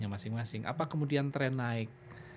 masing masing apa kemudian tren naik